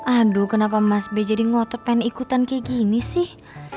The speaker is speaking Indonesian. aduh kenapa mas b jadi ngotot pengen ikutan kayak gini sih